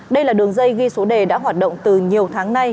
đây là đường dây ghi số đề đã hoạt động từ nhiều tháng nay